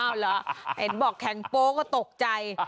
เอาเหรอเห็นบอกแข็งโป๊ก็ตกใจ